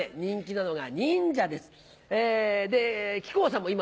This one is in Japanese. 木久扇さんも今ね